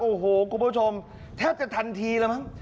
โอ้โหคุณผู้ชมแทบจะทันทีแล้วมั้ง